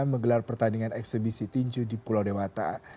menggelar pertandingan eksebisi tinju di pulau dewata